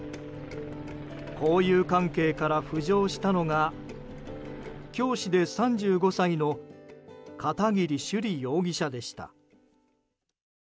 交友関係から浮上したのが教師で３５歳の片桐朱璃容疑者でした。